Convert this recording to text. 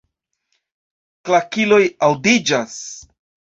Klakiloj aŭdiĝas.